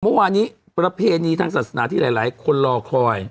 เมื่อวานนี้ประเพณีทางศาสนาที่หลายคนรอคอย